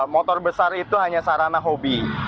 motor besar itu hanya sarana hobi